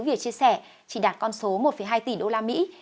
việc chia sẻ chỉ đạt con số một hai tỷ đô la mỹ